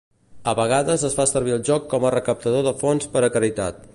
A vegades es fa servir el joc com a recaptador de fons per a caritat.